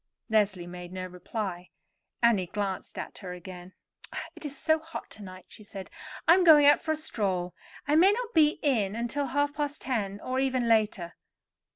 Leslie made no reply. Annie glanced at her again. "It is so hot to night," she said. "I am going out for a stroll. I may not be in until half past ten, or even later.